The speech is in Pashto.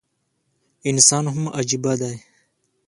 انسان هم عجيبه دی